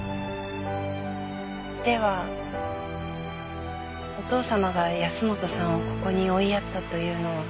ではお父様が保本さんをここに追いやったというのは。